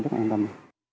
rất là an tâm